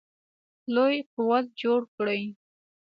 لوی قوت جوړ کړي.